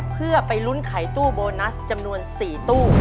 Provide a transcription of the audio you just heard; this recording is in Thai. เพื่อไปลุ้นไขตู้โบนัสจำนวน๔ตู้